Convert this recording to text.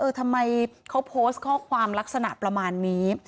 ทำไมเขาโพสต์ข้อความลักษณะประมาณนี้